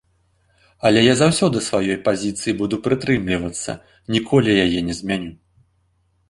Але я заўсёды сваёй пазіцыі буду прытрымлівацца, ніколі яе не змяню.